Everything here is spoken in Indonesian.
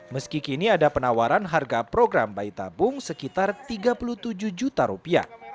meski kini ada penawaran harga program bayi tabung sekitar rp tiga puluh tujuh juta rupiah